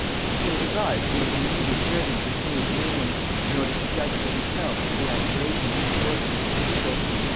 He was advised to make an immediate journey through his new dominions, in order to judge for himself of the aspirations and resources of the people.